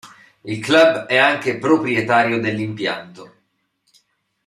Il club è anche proprietario dell'impianto.